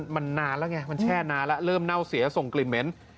มันนานแล้วไงมันแช่นานแล้วเริ่มเน่าเสียส่งกลิ่นเหม็น